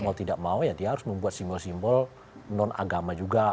mau tidak mau ya dia harus membuat simbol simbol non agama juga